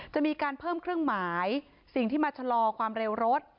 จะมีการเพิ่มเครื่องหมายสิ่งที่มาชะลอความเร็วรถ